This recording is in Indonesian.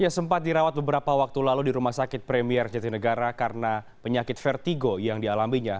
sempat dirawat beberapa waktu lalu di rumah sakit premier jatinegara karena penyakit vertigo yang dialaminya